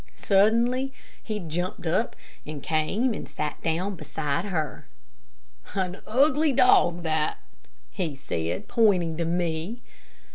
Suddenly he jumped up and came and sat down beside her. "An ugly dog, that," he said, pointing to me.